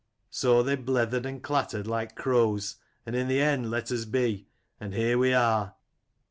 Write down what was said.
So they blethered and clattered like crows, and in the end let us be : and here we are